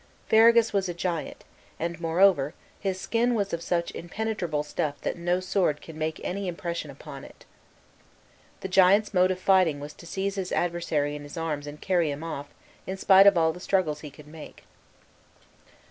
Ferragus was a giant, and moreover his skin was of such impenetrable stuff that no sword could make any impression upon it. The giant's mode of fighting was to seize his adversary in his arms and carry him off, in spite of all the struggles he could make.